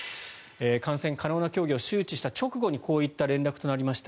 観戦可能な競技を周知した直後にこういった連絡となりました